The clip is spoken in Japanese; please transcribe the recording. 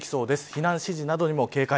避難指示などにも警戒。